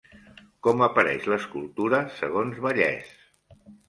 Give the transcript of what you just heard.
Com apareix l'escultura segons Vallès?